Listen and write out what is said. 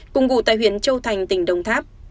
cùng gụ tại huyện châu thành tỉnh đồng tháp